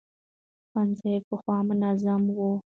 ښوونځي پخوا منظم وو.